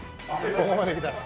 ここまできたら。